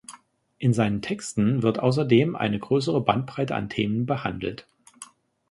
In seinen Texten wird außerdem eine größere Bandbreite an Themen behandelt.